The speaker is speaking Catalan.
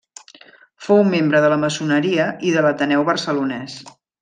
Fou membre de la maçoneria i de l'Ateneu Barcelonès.